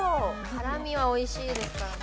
ハラミはおいしいですからね。